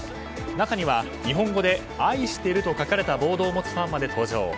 中には日本語で愛してると書かれたボードを持つファンまで登場。